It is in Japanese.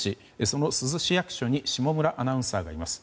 その珠洲市役所に下村アナウンサーがいます。